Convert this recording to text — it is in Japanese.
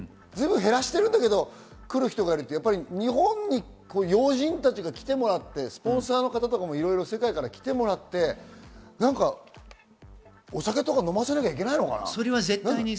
だけど来る人がいると日本に要人たちが来てもらって、スポンサーの方も世界から来てもらってお酒とか飲ませなきゃいけないのかな？